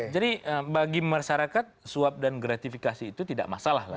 jadi bagi masyarakat swab dan gratifikasi itu tidak masalah lah